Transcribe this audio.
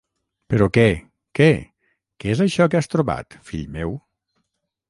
Però què, què, què és això que has trobat, fill meu?